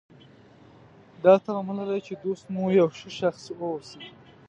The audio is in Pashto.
دا تمه مه لرئ چې دوست مو یو ښه شخص واوسي.